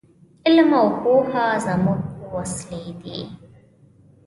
علم او پوهه زموږ وسلې دي.